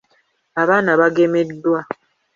Abaana bagemeddwa.